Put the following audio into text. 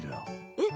えっ？